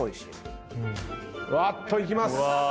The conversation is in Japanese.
わっといきます！